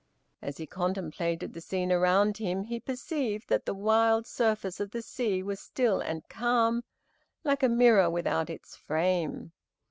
As he contemplated the scene around him, he perceived that the wild surface of the sea was still and calm, like a mirror without its frame.